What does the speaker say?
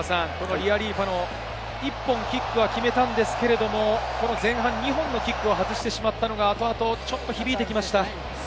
リアリーファノ、１本キックは決めたのですけれども、前半、２本のキックを外してしまったのが後々響いてきました。